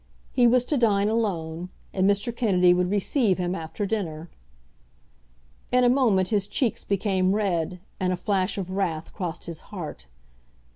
He was to dine alone, and Mr. Kennedy would receive him after dinner. In a moment his cheeks became red, and a flash of wrath crossed his heart.